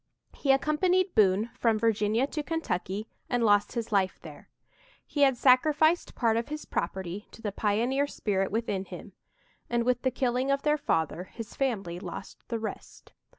He accompanied Boone from Virginia to Kentucky and lost his life there. He had sacrificed part of his property to the pioneer spirit within him, and, with the killing of their father, his family lost the rest.